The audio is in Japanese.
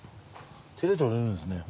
手でとれるんですね。